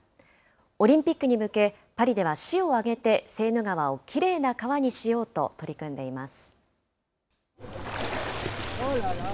オリンピックに向け、パリでは市を挙げてセーヌ川をきれいな川にしようと取り組んでいます。